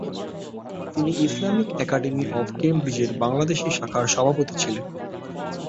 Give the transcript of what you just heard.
তিনি Islamic academy of কেমব্রিজের বাংলাদেশী শাখার সভাপতি ছিলেন।